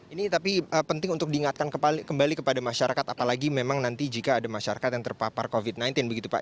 ini tapi penting untuk diingatkan kembali kepada masyarakat apalagi memang nanti jika ada masyarakat yang terpapar covid sembilan belas begitu pak